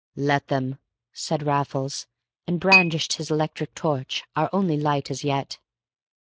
"Let them," said Raffles, and brandished his electric torch, our only light as yet.